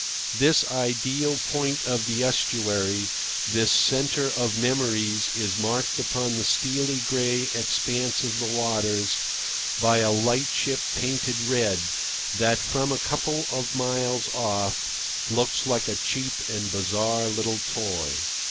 This ideal point of the estuary, this centre of memories, is marked upon the steely gray expanse of the waters by a lightship painted red that, from a couple of miles off, looks like a cheap and bizarre little toy.